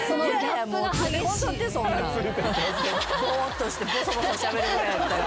ぼーっとしてボソボソしゃべるぐらいやったら。